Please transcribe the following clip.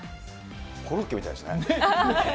コロッケみたいですね。